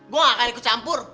gue akan ikut campur